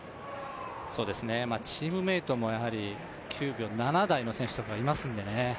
チームメートも９秒７台の選手とかがいますんでね。